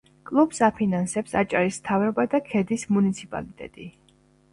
კლუბს აფინანსებს აჭარის მთავრობა და ქედის მუნიციპალიტეტი.